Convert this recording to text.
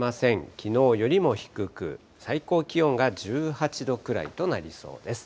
きのうよりも低く、最高気温が１８度くらいとなりそうです。